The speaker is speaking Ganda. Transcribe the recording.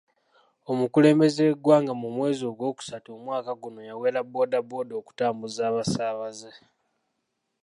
Omukulembeze w'eggwanga mu mwezi ogwokusatu omwaka guno yawera bbooda bbooda okutambuza abasaabaze.